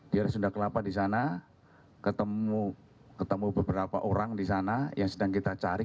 dia sunda kelapa di sana ketemu beberapa orang di sana yang sedang kita cari